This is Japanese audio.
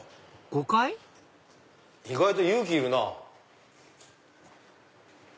５階意外と勇気いるなぁ。